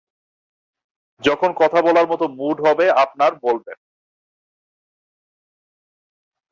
যখন কথা বলার মতো মুড হবে আপনার বলবেন।